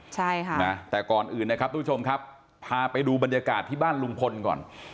ใช่ค่ะนะแต่ก่อนอื่นนะครับทุกผู้ชมครับพาไปดูบรรยากาศที่บ้านลุงพลก่อน